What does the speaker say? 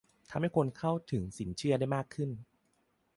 ทำให้คนเข้าถึงสินเชื่อได้มากขึ้น